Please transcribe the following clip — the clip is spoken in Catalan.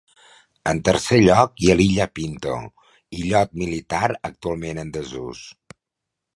En tercer lloc hi ha l'Illa Pinto, illot militar actualment en desús.